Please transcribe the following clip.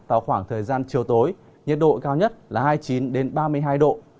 vào khoảng thời gian chiều tối nhiệt độ cao nhất là hai mươi chín ba mươi hai độ